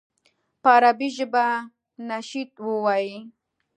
په عربي ژبه نشید ووایي.